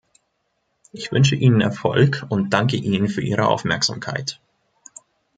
Ich wünsche Ihnen Erfolg und danke Ihnen für Ihre Aufmerksamkeit.